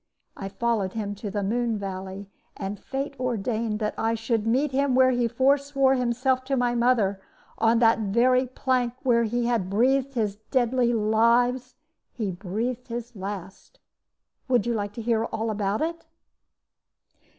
I followed him to the Moon valley, and fate ordained that I should meet him where he forswore himself to my mother; on that very plank where he had breathed his deadly lies he breathed his last. Would you like to hear all about it?"